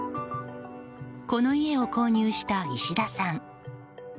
この家を購入した石田さん。